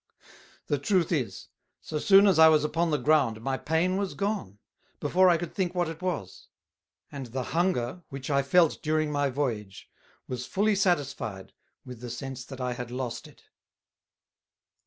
The truth is, so soon as I was upon the ground my pain was gone, before I could think what it was; and the Hunger, which I felt during my Voyage, was fully satisfied with the sense that I had lost it.